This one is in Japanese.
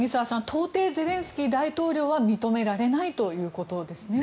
到底、ゼレンスキー大統領は認められないということですね。